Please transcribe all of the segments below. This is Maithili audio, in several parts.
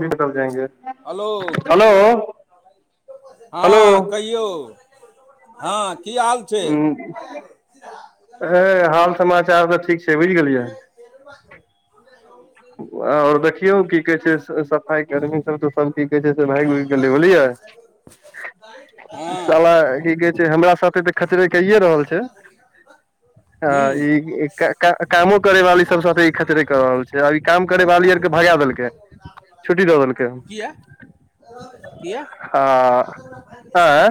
भी बदल [unintelligible] जाएंगे हेलो हेलो हेलो हँ कहियौ हँ की हाल छै ए हाल समाचार त ठीक छै बुझि गेलियै [unintelligible] आओर देखियौ की कहै छै सफाई कर्मी सब तऽ सब की कहै छै भागि भुइग गेलै बुझलियै ब [inaudible] साला की कहै छै हमरा सबके त खचरे कइए रहल छै ह हूँ ई कामो करै वाली सब साथे ई खचरै क रहल छै काम करे वाली आर के भगा देलकै छुट्टी द देलकै किया किया आ आँय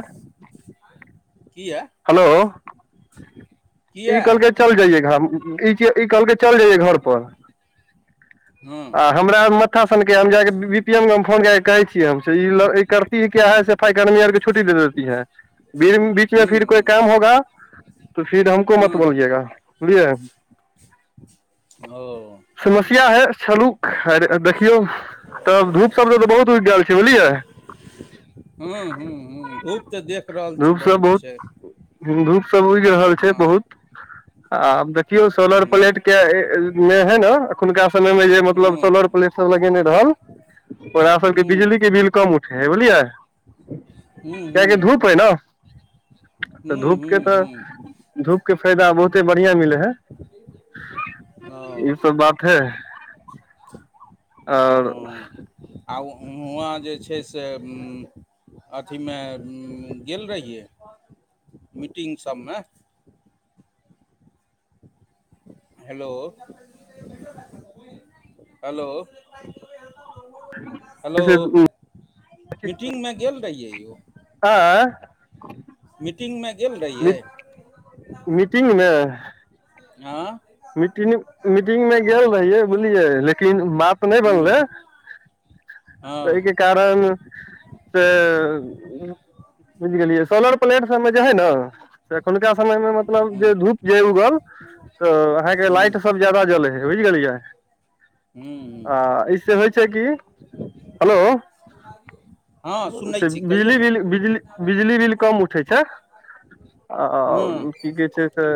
किया हेलो [inaudible] ई कहलकै चल जइये घम ई कहलकै चल जइये घर पर हँ आ हमरा मथा सनकैया हम जा कऽ बी पी एम के फोन कए क कहै छीयै इ लोग करती है की सफाई कर्मी आरके छुट्टी दे देती है बीयम बीच मे हूँ फिर कोई हूँ काम होगा त फिर हमको मत हूँ बोलियेगा बुझे ओ समस्या है अच्छा रूक देखियौ त धूप सभ बहुत उग गेल छै बुझलियै हं हू हू धूप त देख रहल छी बहुत छै धुप सब उगि रहल छै हँ बहुत आब देख कियो सोलर हूँ प्लेट के मे है न अखुनका गाँव मे जे मतलब हूँ सोलर प्लेट सब लगेने रहल ओकरा सबके हूँ बिजली के बिल कम उठे है बुझलियै हूँ कियाकि हूँ धूप है न त हूँ धूप के हूँ त हूँ धूप के फायदा बहुते बढ़िआं मिलै हय ओ ई सब बात है और हँ आ हुआँ जे छै से अथी मे गेल रहिये मीटिंग सभ मे हेलो हेलो हेलो मीटिंग मे गेल रहियो यौ आ मीटिंग मे गेल मी, रहियै मीटिंग मे हां मीटिंग मे गेल रहियै बुलियै लेकिन बात नहि हूँ बनलै हँ ताहिके कार न से बुझि गेलियै सोलर प्लेट सब मे जे है न त एखुनका समय मे मतलब जे हूँ धूप जे उगल तऽ अहाँके हूँ लाइट सब ज्यादा जलै हय बुझ गेलियै हू आ ईसे होइ छै की हेलो हँ सुनै छी कहियौ बिजली ने बिल बिजली बिजली बिल कम उठै छैय आओर हँ की कहै छैय त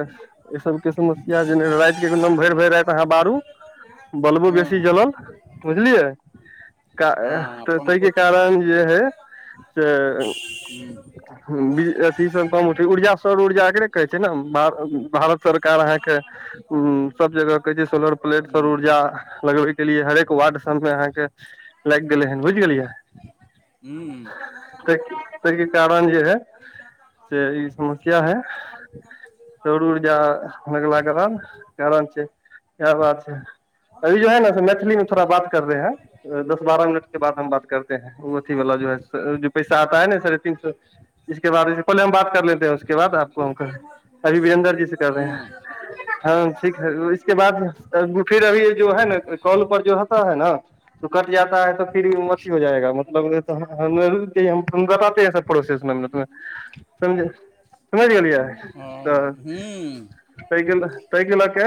ई सबके समस्या जेना रात के एकदम भरि भरि राति अहाँ बारू बल्बों हँ बेसी जलल बुझलियै का हँ पंखो तहिके चल कारण जे हय [inaudible] [unintelligible] अथी सब [unintelligible] इ ऊर्जा सर ऊर्जा एकरे कहै छै नऽ भा भारत सरकार अहाँके उ सब जगह कहै छैय सोलर प्लेट हूँ पर ऊर्जा लगबे लिए हरेक वार्ड सब मे अहाँके लागि गेले हन बुझ गेलियै हुं ताहिके [unintelligible] कारण जे है से ई समस्या है सौर उर्जा लगला इहै बात छैय अभो [inaudible] है ने मैथिली मे थोड़ा बात [unintelligible] [unintelligible] [unintelligible] [unintelligible] [unintelligible] [unintelligible] समझे समैझ गेलियै हां हू तैय कऽ तै क लऽ के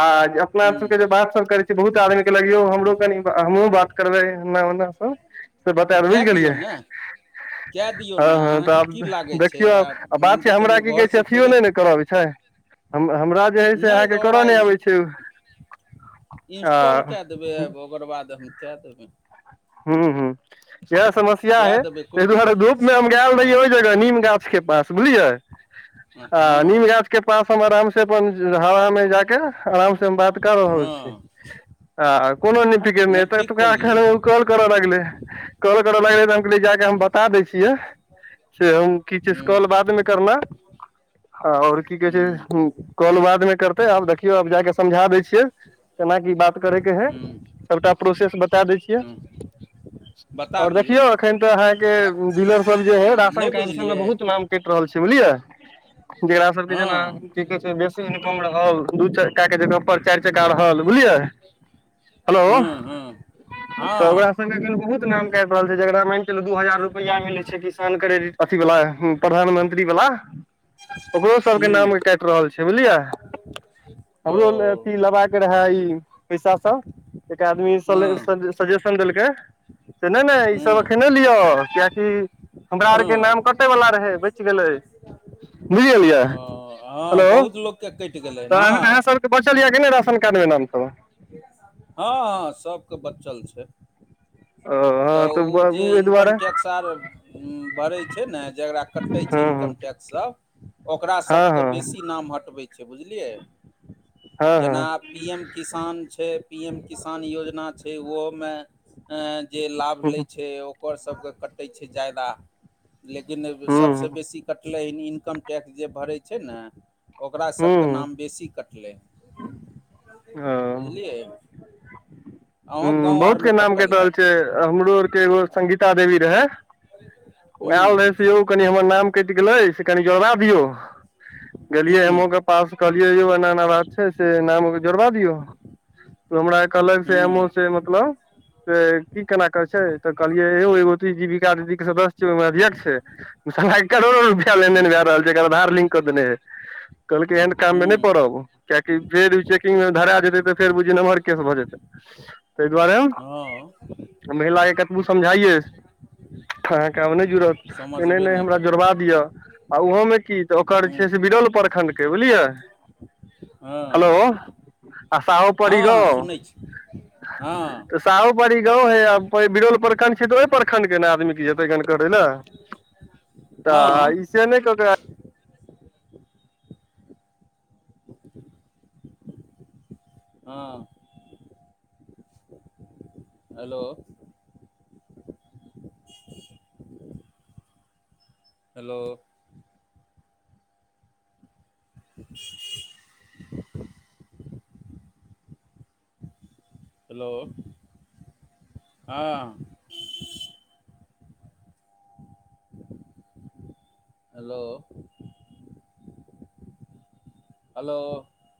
आ अपना सब हूँ के जे बात सब करे छी बहुत आदमी लगियौ हमरो कनि हमहू बात करबै एन्ना ओना स से तऽ बता त बुझ कए दियौ गेलियै ने कए दियौ ने हँ हँ अहाँके तऽ की लागै आब छै देखियौ आ मानि बात कऽ छै हमरा चलियौ की कहै घरसँ छै अथियो थोड़े नैय न कर आबै छै हमरा जे हय से नहि तऽ अहाँके करऽ ओकरा नहि आबै छै आ इंस्टॉल कए देबै ओकर [inaudible] बाद हम क देबै हूं हूं इएहे समस्या कए है देबै कोइ ताहि दुआरे दिक्कत नहि धूपमे छै हम गायल हँ रहियै ओहि जगह नीम गाछ के पास बुझलियै आ ह [inaudible] नीम गाछ के पास हम आराम से अपन हवा मे जाके आराम से हम बात क रहल [inaudible] छी हँ आ कोनोप नहि ठीक केलियै [inaudible] कॉल करऽ लगले कॉल करऽ लगले तऽ हम कहि जाक हम हँ बता दै छियै से हम की [unintelligible] हूँ कॉल बाद मे करना आओर की कहै हूँ छै कॉल बादमे करतै आब देखियौ आब जा कऽ समझा दै छियै केना की बात करेके हे हूँ सभटा प्रोसेस बता दै छियै हूँ बता और दियौ देखियौ एखन तऽ अहाँके डीलर सब जे है नहि राशन बुझलियै [unintelligible] बहुत नाम देख रहल छी बुझलियै जेरा सबके जेना हँ की कहे छै बेसी इनकम रहल दू चारि कका के जगह पर चारि चक्का रहल बुझलियै हेलौ हँ हँ तऽ ओकरा हँ बहुत नाम कटि रहल छै जेकरा मानि चलू दू हजार रुपया मिले छै किसान क्रेडिट अथी वला ह्म प्रधानमंत्री वला ओकरो सब के हूँ नाम काटि रहल छै छैबलियै हमरो ओ अथी लेबा रहै ई पैसा सब एक आदमी सले हँ सले सजेशन देलकै से नहि नहि ई हूँ सब एखन नै लिअ कियाकि हमरा आर के हँ नाम कट कटे वला रहै बचि गेलै बुझगेलियै ओ हँ हेलो बहुत लोकके कटि गेलै हन तहन आहाॅं हँ सभ बचल य कि नै राशन कार्ड मे नाम सब हाँ सबके बचल छै ओ तऽ हँ ओ जे ओहि दुआरे इनकम टैक्स आर भरै छै ने जकरा कटै हँ छै इनकम टैक्स सब ओकरा सभ हँ केँ हँ बेसी नाम हटबैत छै बुझलियै हँ हँ जेना पी एम किसान छै पी एम किसान योजना छै ओहो मे जे लाभ हँ लै छै ओकर सभ केँ कटै छै ज्यादा लेकिन हँ सभसँ हँ बेसी कटलै ई इनकम टैक्स जे भरै छै न ओकरा सभ केँ हूँ नाम बेसी कटलै ओ बुझलियै अहूँ हूँ गाँव बहुत के आरमे नाम कटि कटल रहल छै हैत हमरो आर के एगो संगीता देवी रहय ओ हूँ आयल रहै से यौ कनि हमर नाम कटि गेले से कनि जोड़बा दियौ गेलियै हूँ हम पास कहलिए यौ एना एना छै से नाम केँ जोड़बाबियो हमरा कहल सेमो हूँ से मतलब से की केना करै छै तऽ कहलियै यौ एगो जिविका दीदी के सदस्य ओहिमे अध्यक्ष छै करोड़ो लेनदेन हूँ भए रहल छै एकर आधार लिंक कऽ देने हैत कहलके एहन काम मे नहि हूँ पड़ब कियै कि फेर चेकिंग मे धरा जेतै तऽ फेर बुझियै नमहर केस भऽ जेतै तेँ दुआरे हँ महिला के कतबो समझायिए आहाॅंक आब नहि जूड़त नहि समझबे नहि हमरा जुड़बा करै दिअ आ ओहोमे की तऽ ओकर जे हूँ छै से बिरल प्रखंड के बुझलियै हेलो हँ आ साहो परी रह हाँ साहो पारी गांव है आ बिरल प्रखंड छै तऽ ओहि प्रखंड के ने आदमी केँ जेतै गन करै ल तऽ आ ई हँ से हँ हेलो [inaudible] हैलो [inaudible] हेलो हँ हेलो हेलो